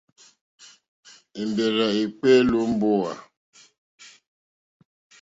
Èmbèrzà èkpéélì ó mbówà.